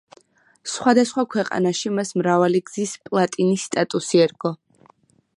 სხვადასხვა ქვეყანაში მას მრავალი გზის პლატინის სტატუსი ერგო.